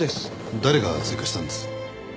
誰が追加したんです？